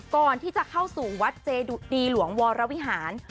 ก่อนที่จะเข้าสู่วัดเจดุดีหลวงวรวิหาร